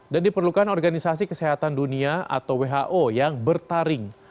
dan diperlukan organisasi kesehatan dunia atau who yang bertaring